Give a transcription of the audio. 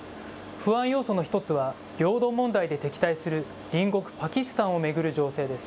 不安要素の一つは、領土問題で敵対する隣国パキスタンを巡る情勢です。